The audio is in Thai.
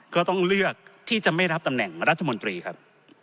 ก็ต้องเลือกที่จะไม่รับตำแหน่งรัฐมนตรีครับ